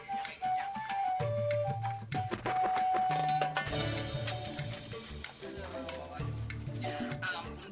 jangan dia iblis